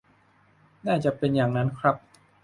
น่าจะเป็นอย่างนั้นครับ